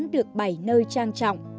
được bày nơi trang trọng